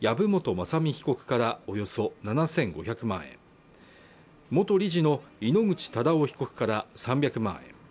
雅巳被告からおよそ７５００万円元理事の井ノ口忠男被告から３００万円